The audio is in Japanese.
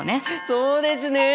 そうですね！